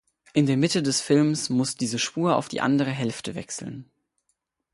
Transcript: In der Mitte des Films muss diese Spur auf die andere Hälfte wechseln.